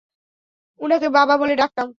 উনাকে বাবা বলে ডাকতাম।